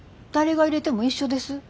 誰がいれても一緒です。